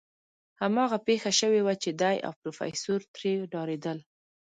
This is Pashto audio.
هماغه پېښه شوې وه چې دی او پروفيسر ترې ډارېدل.